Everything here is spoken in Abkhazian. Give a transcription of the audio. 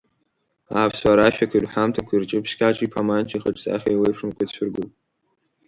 Аԥсуаа рашәақәеи рҳәамҭақәеи рҿы Ԥшькьаҿ-иԥа Манча ихаҿсахьа еиуеиԥшымкәа ицәыргоуп.